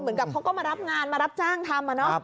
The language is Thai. เหมือนกับเขาก็มารับงานมารับจ้างทำ